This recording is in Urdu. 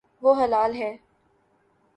وہ ہلال ہے